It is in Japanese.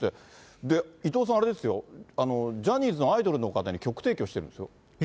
で、伊藤さん、あれですよ、ジャニーズのアイドルの方に曲提供してるんですよ。